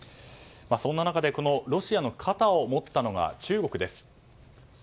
そんな中ロシアの肩を持ったのが中国です。